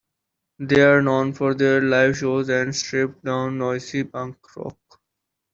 They are known for their live shows and stripped-down noisy punk rock.